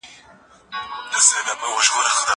هغه وويل چي ليک مهم دی؟